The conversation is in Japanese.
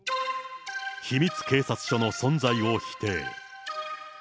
秘密警察署の存在を否定。